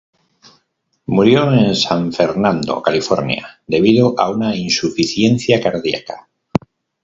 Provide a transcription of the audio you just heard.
Murió en San Fernando, California debido a una insuficiencia cardíaca.